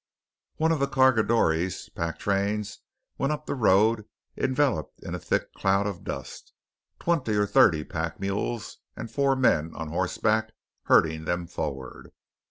One of the cargadores' pack trains went up the road enveloped in a thick cloud of dust twenty or thirty pack mules and four men on horseback herding them forward.